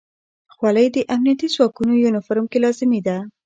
خولۍ د امنیتي ځواکونو یونیفورم کې لازمي ده.